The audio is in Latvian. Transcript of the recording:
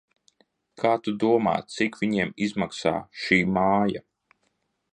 Kā tu domā, cik viņiem izmaksā šī māja?